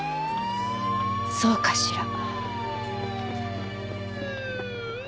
そうかしら？